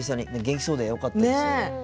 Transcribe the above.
元気そうで、よかったです。